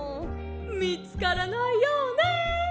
「みつからないようね」。